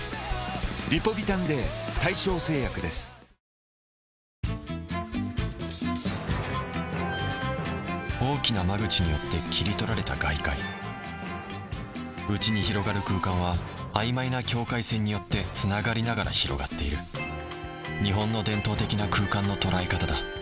本当に手厚い会社だなうん大きな間口によって切り取られた外界内に広がる空間は曖昧な境界線によってつながりながら広がっている日本の伝統的な空間の捉え方だ